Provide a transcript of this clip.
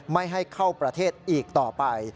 ไม่ให้เข้าประเทศอีกต่อไป